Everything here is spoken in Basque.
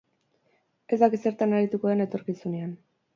Ez daki zertan arituko den etorkizunean.